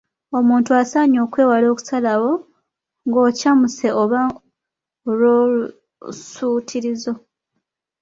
Omuntu asaanye okwewala okusalawo ng’okyamuse oba olw’olusuutirizo.